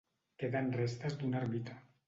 Queden restes d'una ermita.